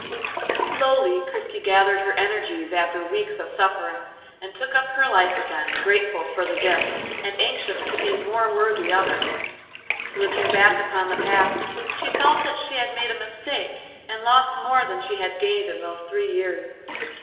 Slowly Christie gathered her energies after weeks of suffering, and took up her life again, grateful for the gift, and anxious to be more worthy of it. Looking back upon the past she felt that she had made a mistake and lost more than she had gained in those three years.